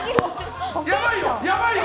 やばいよ！